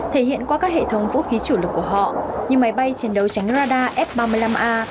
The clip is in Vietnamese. thể hiện qua các hệ thống vũ khí chủ lực của họ như máy bay chiến đấu tránh radar f ba mươi năm a